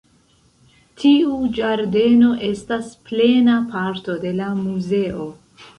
Tiu ĝardeno estas plena parto de la muzeo.